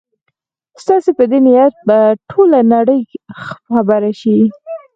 ستاسي په دې نیت به ټوله نړۍ خبره شي.